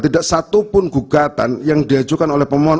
tidak satupun gugatan yang diajukan oleh pemohon